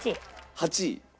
８位？